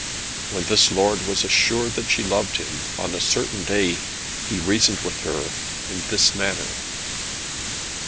When this lord was assured that she loved him, on a certain day he reasoned with her in this manner.